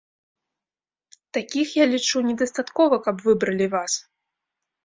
Такіх, я лічу, недастаткова, каб выбралі вас.